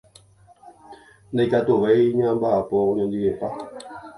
Ndaikatuvéi ñambaʼapo oñondivepa.